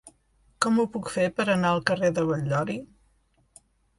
Com ho puc fer per anar al carrer de Batllori?